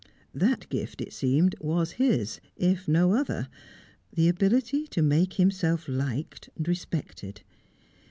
That gift, it seemed, was his, if no other the ability to make himself liked, respected.